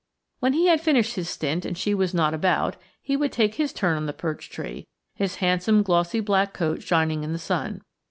When he had finished his stint and she was not about, he would take his turn on the perch tree, his handsome glossy black coat shining in the sun.